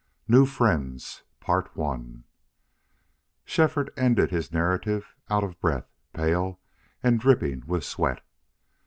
NEW FRIENDS Shefford ended his narrative out of breath, pale, and dripping with sweat.